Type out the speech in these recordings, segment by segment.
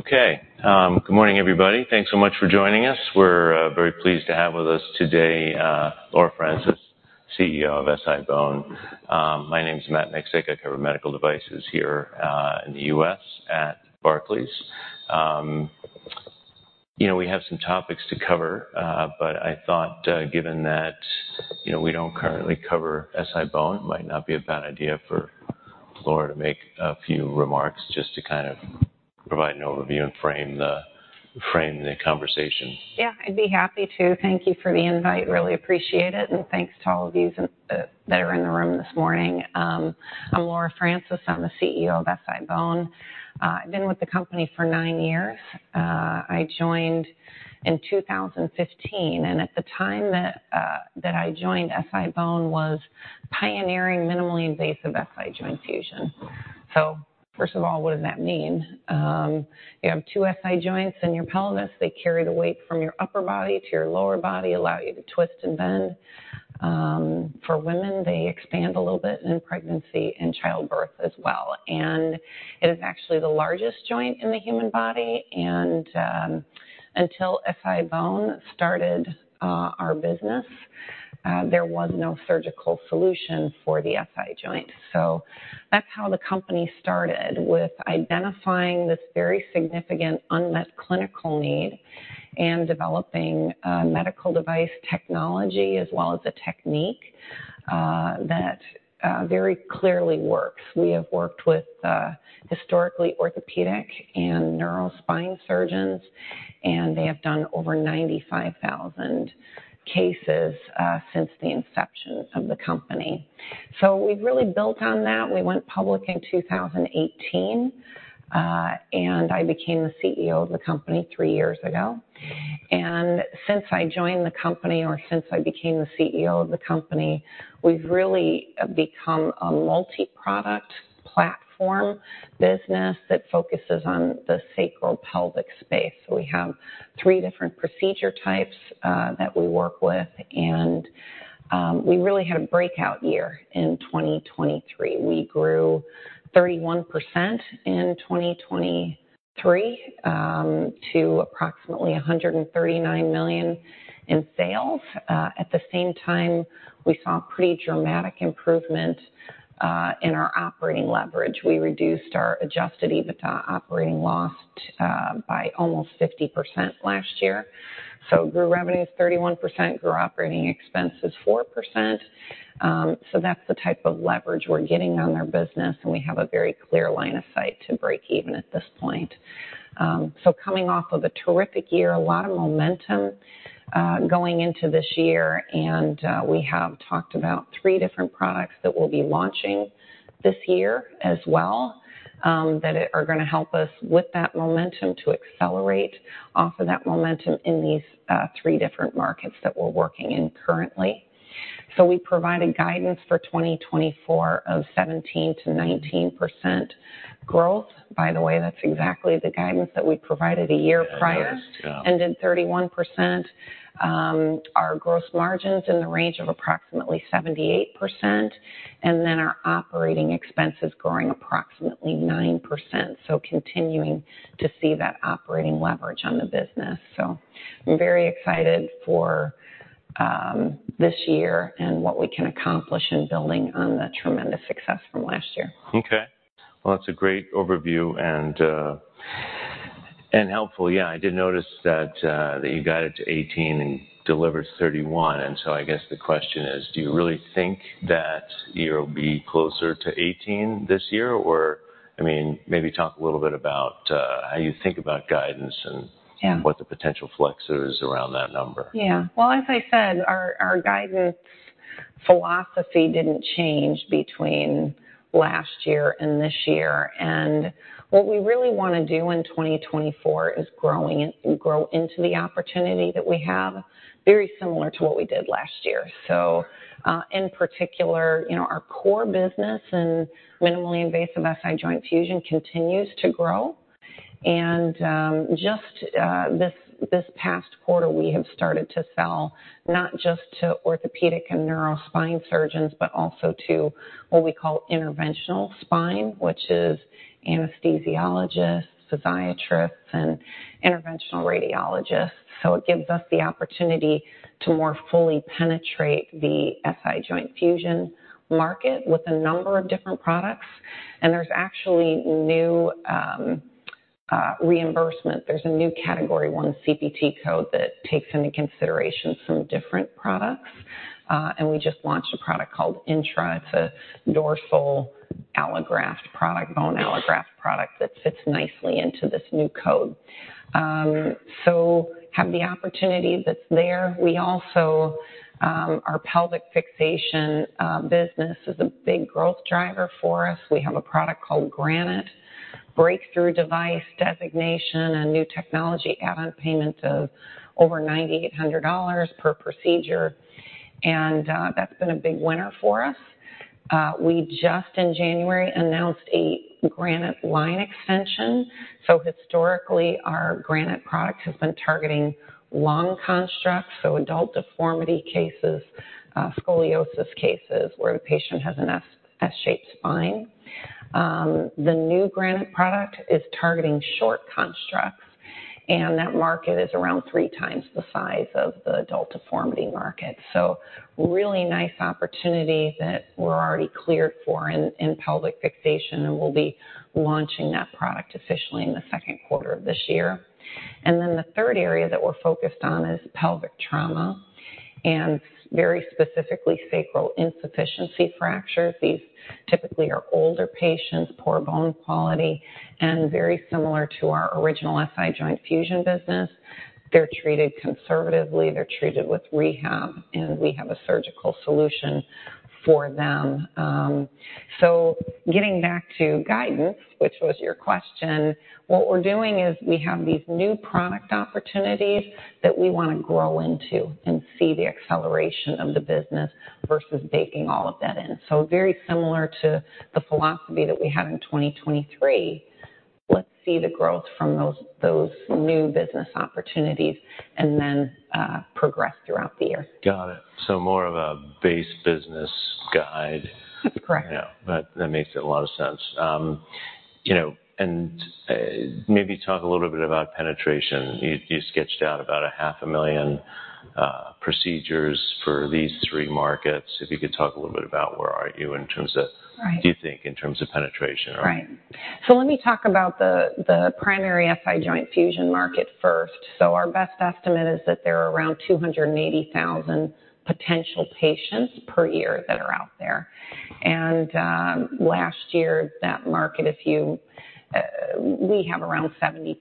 Okay, good morning, everybody. Thanks so much for joining us. We're very pleased to have with us today, Laura Francis, CEO of SI-BONE. My name is Matt Miksic. I cover medical devices here, in the U.S. at Barclays. You know, we have some topics to cover, but I thought, given that, you know, we don't currently cover SI-BONE, it might not be a bad idea for Laura to make a few remarks just to kind of provide an overview and frame the conversation. Yeah, I'd be happy to. Thank you for the invite. Really appreciate it, and thanks to all of yous in that are in the room this morning. I'm Laura Francis. I'm the CEO of SI-BONE. I've been with the company for nine years. I joined in 2015, and at the time that I joined, SI-BONE was pioneering minimally invasive SI joint fusion. So first of all, what does that mean? You have two SI joints in your pelvis. They carry the weight from your upper body to your lower body, allow you to twist and bend. For women, they expand a little bit in pregnancy and childbirth as well. And it is actually the largest joint in the human body, and until SI-BONE started our business, there was no surgical solution for the SI joint. So that's how the company started, with identifying this very significant unmet clinical need and developing medical device technology as well as a technique that very clearly works. We have worked with historically orthopedic and neuro spine surgeons, and they have done over 95,000 cases since the inception of the company. So we've really built on that. We went public in 2018, and I became the CEO of the company three years ago. And since I joined the company, or since I became the CEO of the company, we've really become a multi-product platform business that focuses on the sacropelvic space. We have three different procedure types that we work with, and we really had a breakout year in 2023. We grew 31% in 2023 to approximately $139 million in sales. At the same time, we saw a pretty dramatic improvement in our operating leverage. We reduced our Adjusted EBITDA operating loss by almost 50% last year. So grew revenues 31%, grew operating expenses 4%. So that's the type of leverage we're getting on our business, and we have a very clear line of sight to break even at this point. So coming off of a terrific year, a lot of momentum going into this year, and we have talked about three different products that we'll be launching this year as well, that are gonna help us with that momentum to accelerate off of that momentum in these three different markets that we're working in currently. We provided guidance for 2024 of 17%-19% growth. By the way, that's exactly the guidance that we provided a year prior- Yeah, nice. Yeah. - and did 31%. Our gross margins in the range of approximately 78%, and then our operating expenses growing approximately 9%. So continuing to see that operating leverage on the business. So I'm very excited for this year and what we can accomplish in building on the tremendous success from last year. Okay. Well, that's a great overview and, and helpful. Yeah, I did notice that, that you got it to 18 and delivered 31. And so I guess the question is, do you really think that you'll be closer to 18 this year, or, I mean, maybe talk a little bit about, how you think about guidance and- Yeah What the potential flex is around that number. Yeah. Well, as I said, our guidance philosophy didn't change between last year and this year. And what we really wanna do in 2024 is grow into the opportunity that we have, very similar to what we did last year. So, in particular, you know, our core business in minimally invasive SI joint fusion continues to grow. And just this past quarter, we have started to sell not just to orthopedic and neuro spine surgeons, but also to what we call interventional spine, which is anesthesiologists, physiatrists, and interventional radiologists. So it gives us the opportunity to more fully penetrate the SI joint fusion market with a number of different products. And there's actually new reimbursement. There's a new Category I CPT code that takes into consideration some different products. And we just launched a product called Intra. It's a dorsal allograft product, bone allograft product, that fits nicely into this new code. So have the opportunity that's there. We also, our pelvic fixation business is a big growth driver for us. We have a product called Granite. Breakthrough Device Designation and new technology add-on payments of over $9,800 per procedure, and that's been a big winner for us. We just in January announced a Granite line extension. So historically, our Granite product has been targeting long constructs, so adult deformity cases, scoliosis cases, where the patient has an S-shaped spine. The new Granite product is targeting short constructs and that market is around three times the size of the adult deformity market. So really nice opportunity that we're already cleared for in pelvic fixation, and we'll be launching that product officially in the second quarter of this year. And then the third area that we're focused on is pelvic trauma, and very specifically, sacral insufficiency fractures. These typically are older patients, poor bone quality, and very similar to our original SI joint fusion business. They're treated conservatively, they're treated with rehab, and we have a surgical solution for them. So getting back to guidance, which was your question, what we're doing is we have these new product opportunities that we wanna grow into and see the acceleration of the business versus baking all of that in. So very similar to the philosophy that we had in 2023. Let's see the growth from those new business opportunities and then progress throughout the year. Got it. So more of a base business guide? Correct. Yeah, that makes a lot of sense. You know, and maybe talk a little bit about penetration. You sketched out about 500,000 procedures for these three markets. If you could talk a little bit about where are you in terms of- Right. Do you think, in terms of penetration? Right. So let me talk about the primary SI joint fusion market first. So our best estimate is that there are around 280,000 potential patients per year that are out there. Last year, that market, if you, we have around 70%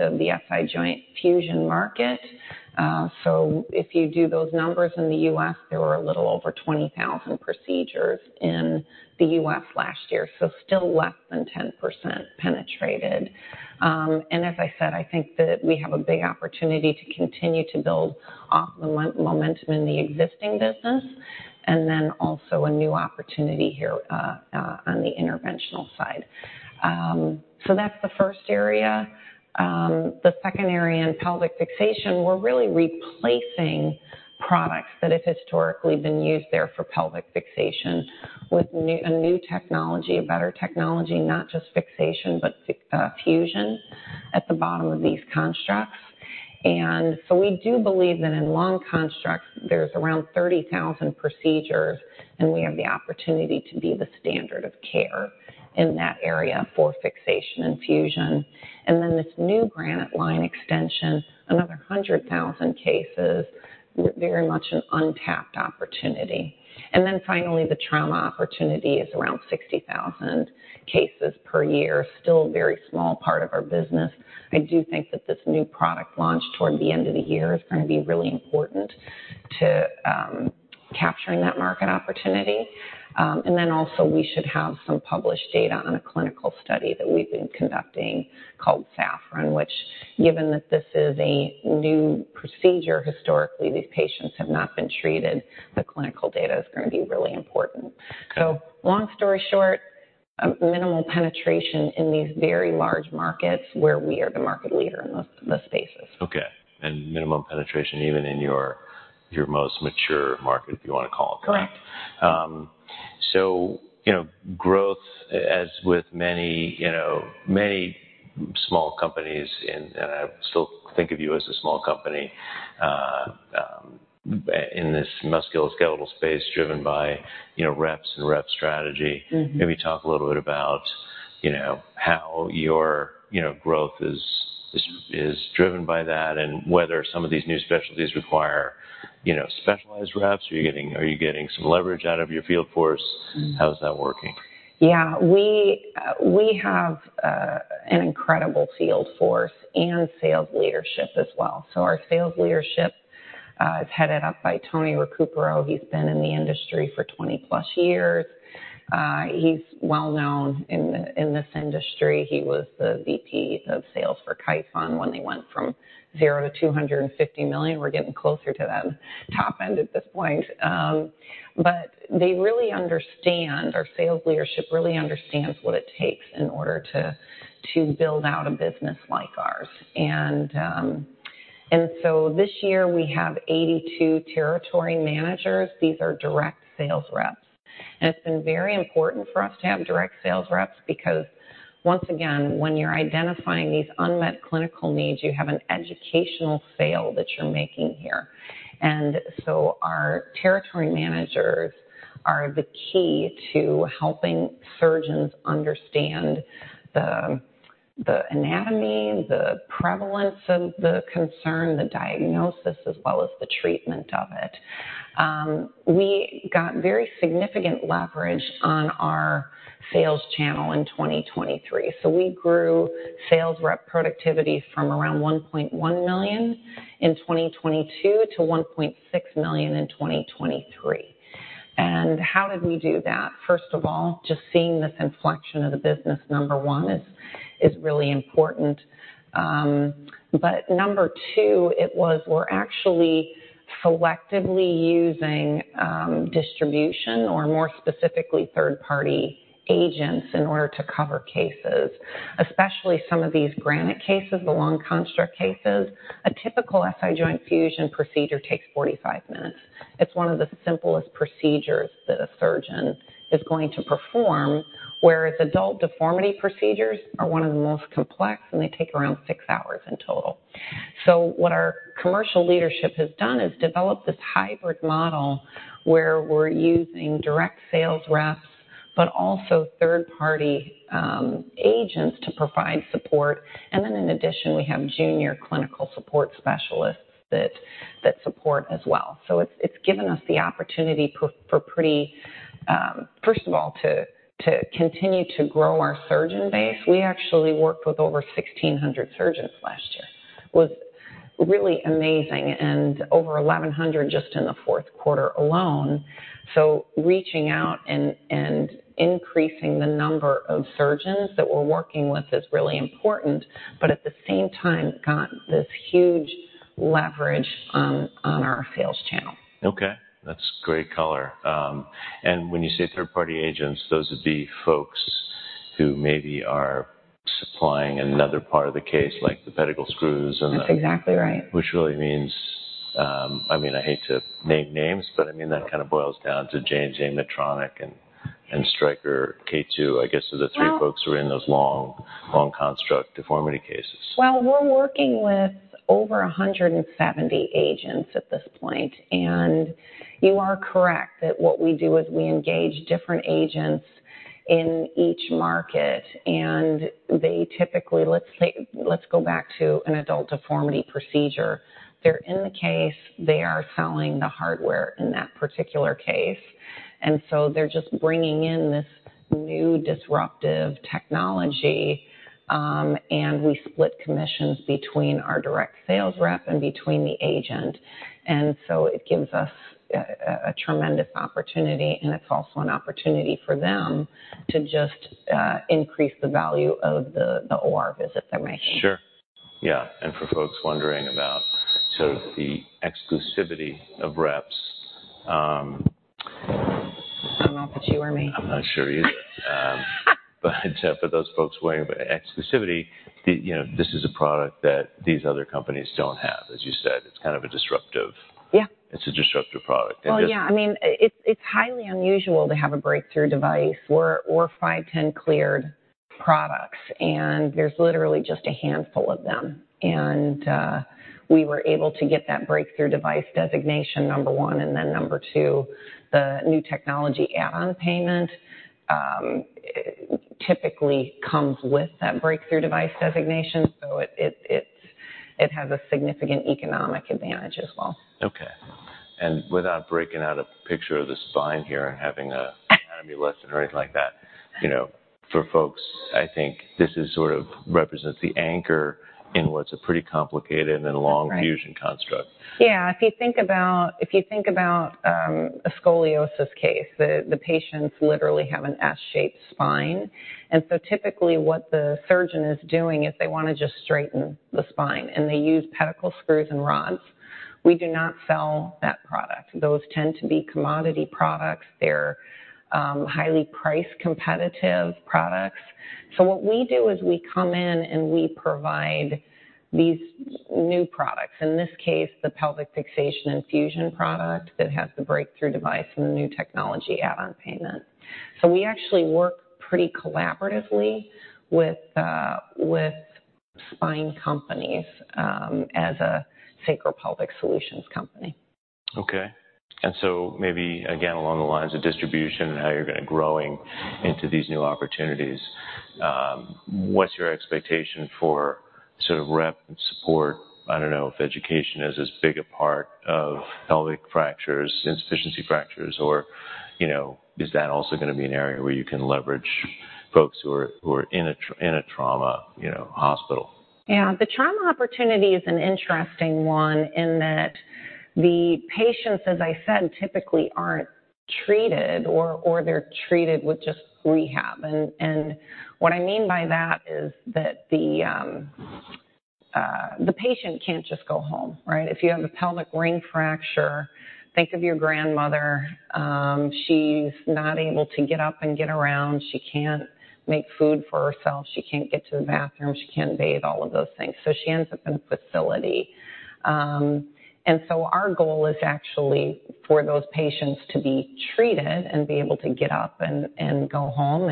of the SI joint fusion market. So if you do those numbers in the US, there were a little over 20,000 procedures in the US last year, so still less than 10% penetrated. And as I said, I think that we have a big opportunity to continue to build off the momentum in the existing business, and then also a new opportunity here, on the interventional side. So that's the first area. The second area in pelvic fixation, we're really replacing products that have historically been used there for pelvic fixation, with a new technology, a better technology, not just fixation, but fusion at the bottom of these constructs. And so we do believe that in long constructs, there's around 30,000 procedures, and we have the opportunity to be the standard of care in that area for fixation and fusion. And then this new Granite line extension, another 100,000 cases, very much an untapped opportunity. And then finally, the trauma opportunity is around 60,000 cases per year. Still a very small part of our business. I do think that this new product launch toward the end of the year is gonna be really important to capturing that market opportunity. And then also, we should have some published data on a clinical study that we've been conducting called SAFFRON, which, given that this is a new procedure, historically, these patients have not been treated. The clinical data is gonna be really important. Okay. So long story short, a minimal penetration in these very large markets where we are the market leader in those, those spaces. Okay, and minimum penetration even in your most mature market, if you wanna call it that? Correct. So, you know, growth, as with many, you know, many small companies, and I still think of you as a small company, in this musculoskeletal space, driven by, you know, reps and rep strategy. Mm-hmm. Maybe talk a little bit about, you know, how your, you know, growth is driven by that, and whether some of these new specialties require, you know, specialized reps. Are you getting some leverage out of your field force? How is that working? Yeah. We have an incredible field force and sales leadership as well. So our sales leadership is headed up by Tony Recupero. He's been in the industry for 20+ years. He's well known in this industry. He was the VP of Sales for Kyphon when they went from zero to $250 million. We're getting closer to that top end at this point. But they really understand, our sales leadership really understands what it takes in order to build out a business like ours. And so this year we have 82 territory managers. These are direct sales reps, and it's been very important for us to have direct sales reps, because once again, when you're identifying these unmet clinical needs, you have an educational sale that you're making here. Our territory managers are the key to helping surgeons understand the anatomy, the prevalence of the concern, the diagnosis, as well as the treatment of it. We got very significant leverage on our sales channel in 2023. So we grew sales rep productivity from around $1.1 million in 2022 to $1.6 million in 2023. How did we do that? First of all, just seeing this inflection of the business, number one, is really important. But number two, it was we're actually selectively using distribution or more specifically, third-party agents in order to cover cases, especially some of these Granite cases, the long construct cases. A typical SI joint fusion procedure takes 45 minutes. It's one of the simplest procedures that a surgeon is going to perform, whereas adult deformity procedures are one of the most complex, and they take around six hours in total. So what our commercial leadership has done is develop this hybrid model where we're using direct sales reps, but also third-party agents to provide support. And then in addition, we have junior clinical support specialists that support as well. So it's given us the opportunity for pretty—first of all, to continue to grow our surgeon base. We actually worked with over 1,600 surgeons last year. It was really amazing, and over 1,100 just in the fourth quarter alone. So reaching out and increasing the number of surgeons that we're working with is really important, but at the same time, we've got this huge leverage on our sales channel. Okay, that's great color. And when you say third-party agents, those would be folks who maybe are supplying another part of the case, like the pedicle screws and the- That's exactly right. Which really means, I mean, I hate to name names, but, I mean, that kind of boils down to J&J, Medtronic, and, and Stryker, K2, I guess are the three folks- Well- Who are in those long, long construct deformity cases. Well, we're working with over 170 agents at this point, and you are correct, that what we do is we engage different agents in each market, and they typically... Let's say, let's go back to an adult deformity procedure. They're in the case, they are selling the hardware in that particular case, and so they're just bringing in this new disruptive technology, and we split commissions between our direct sales rep and between the agent. And so it gives us a tremendous opportunity, and it's also an opportunity for them to just increase the value of the OR visit they're making. Sure. Yeah, and for folks wondering about sort of the exclusivity of reps, I don't know if it's you or me. I'm not sure either. But for those folks wondering about exclusivity, you know, this is a product that these other companies don't have, as you said. It's kind of a disruptive- Yeah. It's a disruptive product. And just- Well, yeah, I mean, it's highly unusual to have a breakthrough device or 510(k) cleared products, and there's literally just a handful of them. We were able to get that Breakthrough Device Designation, number one, and then number two, the New Technology Add-on Payment typically comes with that Breakthrough Device Designation, so it has a significant economic advantage as well. Okay. And without breaking out a picture of the spine here and having an anatomy lesson or anything like that, you know, for folks, I think this is sort of represents the anchor in what's a pretty complicated and long- Right. -fusion construct. Yeah. If you think about a scoliosis case, the patients literally have an S-shaped spine. And so typically, what the surgeon is doing is they want to just straighten the spine, and they use pedicle screws and rods. We do not sell that product. Those tend to be commodity products. They're highly price-competitive products. So what we do is we come in, and we provide these new products, in this case, the pelvic fixation and fusion product that has the breakthrough device and the new technology add-on payment. So we actually work pretty collaboratively with spine companies, as a sacropelvic solutions company. Okay. And so maybe, again, along the lines of distribution and how you're gonna growing into these new opportunities, what's your expectation for sort of rep support? I don't know if education is as big a part of pelvic fractures, insufficiency fractures, or, you know, is that also gonna be an area where you can leverage folks who are in a trauma, you know, hospital? Yeah, the trauma opportunity is an interesting one in that the patients, as I said, typically aren't treated or they're treated with just rehab. And what I mean by that is that the patient can't just go home, right? If you have a pelvic ring fracture, think of your grandmother, she's not able to get up and get around. She can't make food for herself. She can't get to the bathroom. She can't bathe, all of those things. So she ends up in a facility. And so our goal is actually for those patients to be treated and be able to get up and go home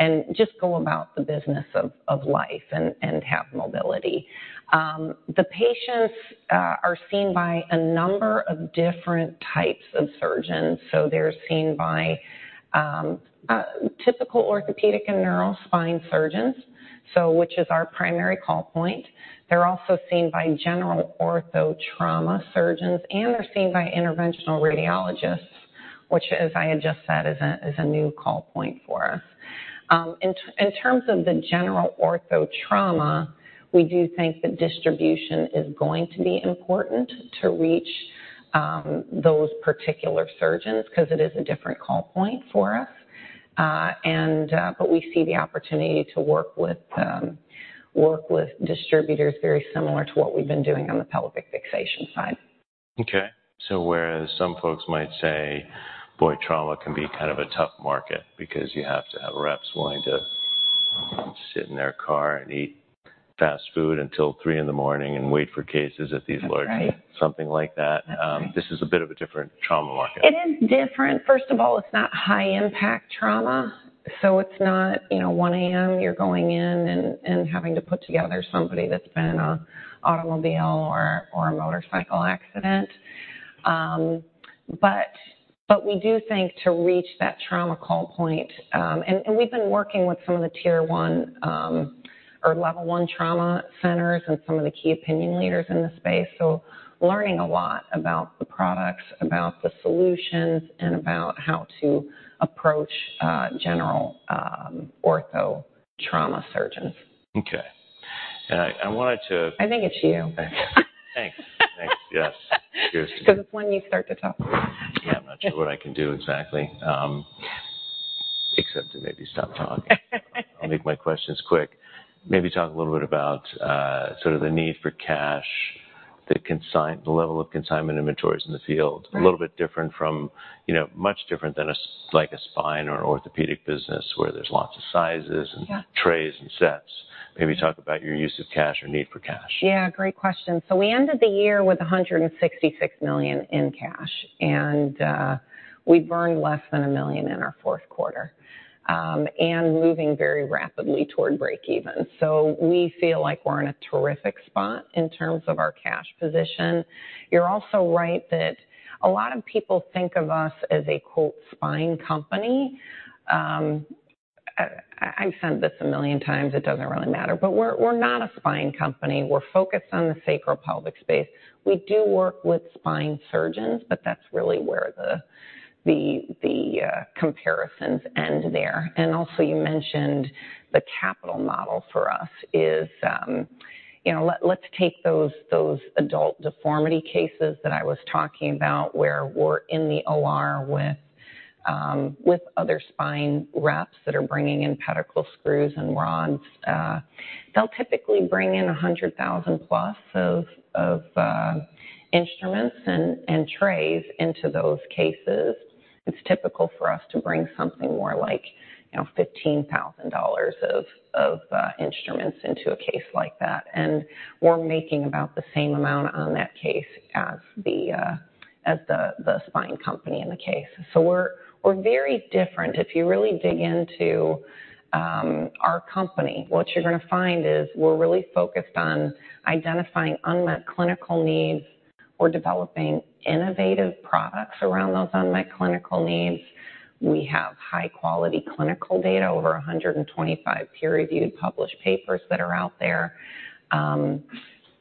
and just go about the business of life and have mobility. The patients are seen by a number of different types of surgeons, so they're seen by typical orthopedic and neuro spine surgeons, which is our primary call point. They're also seen by general ortho trauma surgeons, and they're seen by interventional radiologists, which, as I had just said, is a new call point for us. In terms of the general ortho trauma, we do think that distribution is going to be important to reach those particular surgeons because it is a different call point for us. But we see the opportunity to work with distributors very similar to what we've been doing on the pelvic fixation side. Okay. So whereas some folks might say, boy, trauma can be kind of a tough market because you have to have reps willing to sit in their car and eat fast food until 3:00 A.M. and wait for cases at these large- That's right. Something like that. That's right. This is a bit of a different trauma market. It is different. First of all, it's not high-impact trauma, so it's not, you know, 1:00 A.M., you're going in and having to put together somebody that's been in an automobile or a motorcycle accident. But we do think to reach that trauma call point, and we've been working with some of the tier one or level one trauma centers and some of the key opinion leaders in the space, so learning a lot about the products, about the solutions, and about how to approach general ortho trauma surgeons. Okay. And I wanted to- I think it's you. Thanks. Thanks. Yes, it is me. 'Cause it's when you start to talk. Yeah, I'm not sure what I can do exactly. Yes... except to maybe stop talking. I'll make my questions quick. Maybe talk a little bit about, sort of the need for cash, the level of consignment inventories in the field. Right. A little bit different from, you know, much different than a, like, a spine or an orthopedic business, where there's lots of sizes- Yeah... and trays and sets. Maybe talk about your use of cash or need for cash. Yeah, great question. So we ended the year with $166 million in cash, and we burned less than $1 million in our fourth quarter, and moving very rapidly toward break even. So we feel like we're in a terrific spot in terms of our cash position. You're also right that a lot of people think of us as a, quote, "spine company." I've said this a million times, it doesn't really matter, but we're not a spine company. We're focused on the Sacropelvic space. We do work with spine surgeons, but that's really where the comparisons end there. Also, you mentioned the capital model for us is, you know, let's take those adult deformity cases that I was talking about, where we're in the OR with other spine reps that are bringing in pedicle screws and rods. They'll typically bring in 100,000+ instruments and trays into those cases. It's typical for us to bring something more like, you know, $15,000 of instruments into a case like that, and we're making about the same amount on that case as the spine company in the case. So we're very different. If you really dig into our company, what you're gonna find is we're really focused on identifying unmet clinical needs. We're developing innovative products around those unmet clinical needs. We have high-quality clinical data, over 125 peer-reviewed, published papers that are out there.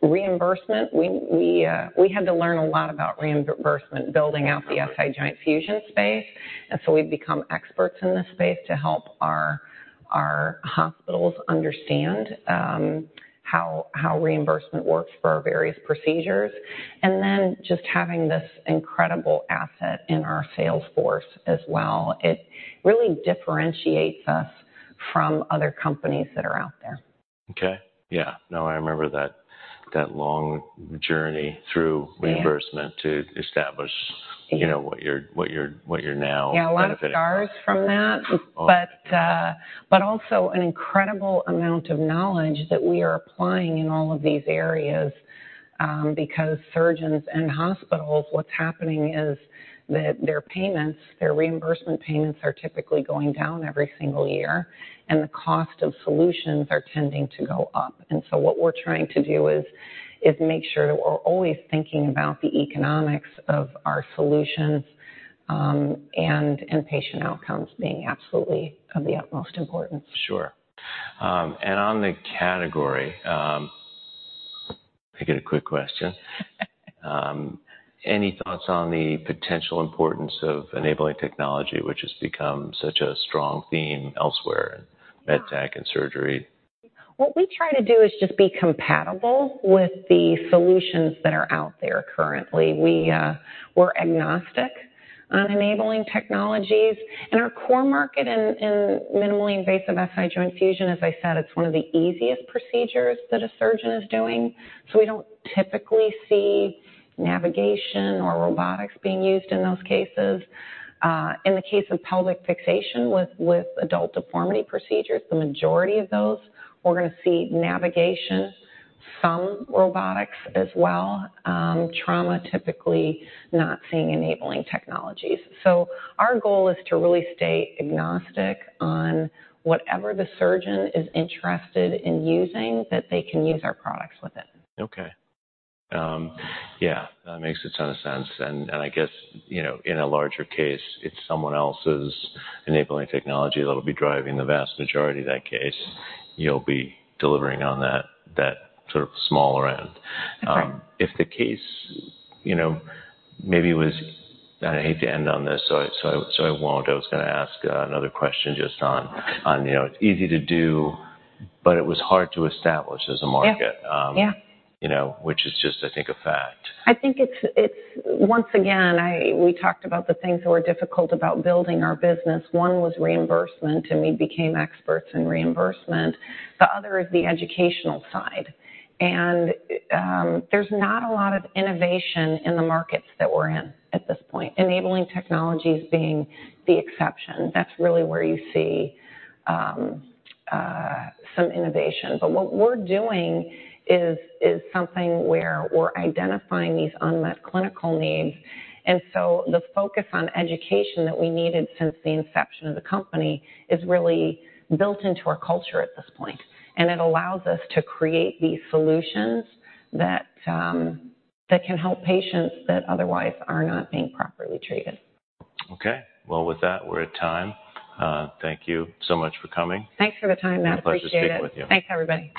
Reimbursement, we had to learn a lot about reimbursement, building out the SI joint fusion space. And so we've become experts in this space to help our hospitals understand how reimbursement works for our various procedures, and then just having this incredible asset in our sales force as well. It really differentiates us from other companies that are out there. Okay. Yeah. No, I remember that, that long journey through- Yeah... reimbursement to establish, you know, what you're now benefiting from. Yeah, a lot of scars from that. But also an incredible amount of knowledge that we are applying in all of these areas, because surgeons and hospitals, what's happening is that their payments, their reimbursement payments, are typically going down every single year, and the cost of solutions are tending to go up. And so what we're trying to do is make sure that we're always thinking about the economics of our solutions, and patient outcomes being absolutely of the utmost importance. Sure. And on the category, I get a quick question. Any thoughts on the potential importance of enabling technology, which has become such a strong theme elsewhere in med tech and surgery? What we try to do is just be compatible with the solutions that are out there currently. We’re agnostic on enabling technologies, and our core market in minimally invasive SI joint fusion, as I said, it’s one of the easiest procedures that a surgeon is doing, so we don’t typically see navigation or robotics being used in those cases. In the case of pelvic fixation with adult deformity procedures, the majority of those, we’re gonna see navigation, some robotics as well. Trauma, typically not seeing enabling technologies. So our goal is to really stay agnostic on whatever the surgeon is interested in using, that they can use our products with it. Okay. Yeah, that makes a ton of sense. And I guess, you know, in a larger case, it's someone else's enabling technology that'll be driving the vast majority of that case. You'll be delivering on that sort of smaller end. Right. If the case, you know, maybe was... And I hate to end on this, so I won't. I was gonna ask another question just on, you know, it's easy to do, but it was hard to establish as a market. Yeah, yeah. You know, which is just, I think, a fact. I think it's—Once again, we talked about the things that were difficult about building our business. One was reimbursement, and we became experts in reimbursement. The other is the educational side, and there's not a lot of innovation in the markets that we're in at this point, enabling technologies being the exception. That's really where you see some innovation. But what we're doing is something where we're identifying these unmet clinical needs, and so the focus on education that we needed since the inception of the company is really built into our culture at this point, and it allows us to create these solutions that can help patients that otherwise are not being properly treated. Okay. Well, with that, we're at time. Thank you so much for coming. Thanks for the time, Matt. I appreciate it. A pleasure speaking with you. Thanks, everybody.